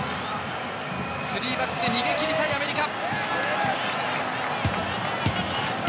スリーバックで逃げきりたいアメリカ。